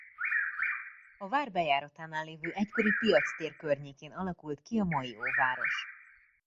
A vár bejáratánál levő egykori piactér környéken alakult ki a mai óváros.